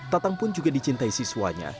tatang pun juga dicintai siswanya